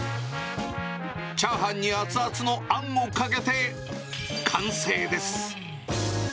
チャーハンに熱々のあんをかけて、完成です。